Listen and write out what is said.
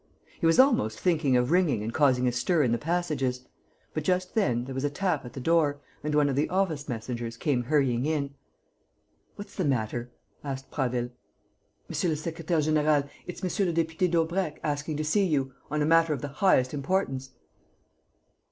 He was almost thinking of ringing and causing a stir in the passages; but, just then, there was a tap at the door and one of the office messengers came hurrying in. "What's the matter?" asked Prasville. "Monsieur le secrétaire; général, it's Monsieur le Député Daubrecq asking to see you ... on a matter of the highest importance."